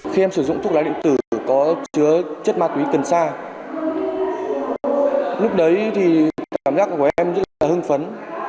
khi em sử dụng thuốc lá điện tử có chứa chất ma túy cần sa lúc đấy thì cảm giác của em rất là hưng phấn